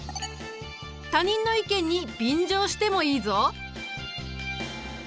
他人の意見に便乗してもいいぞ。